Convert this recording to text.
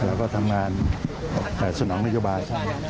แล้วก็ทำงานศนัขนโลยีบาล